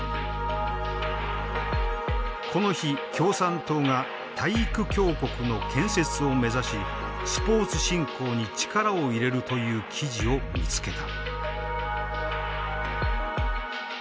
この日共産党が体育強国の建設を目指しスポーツ振興に力を入れるという記事を見つけた。